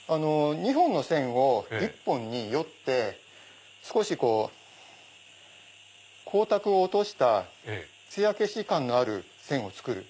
２本の線を１本によって少し光沢を落としたつや消し感のある線を作る。